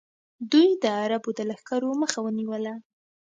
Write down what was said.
دوی د عربو د لښکرو مخه ونیوله